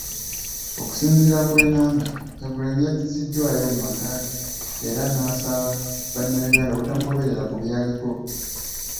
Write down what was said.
Okusinziira ku Enanga, Kyagulanyi yaddiziddwayo mu maka ge era n'asaba bannayuganda obutamugoberera ku byaliko.